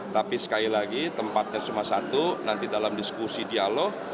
tapi sekali lagi tempatnya cuma satu nanti dalam diskusi dialog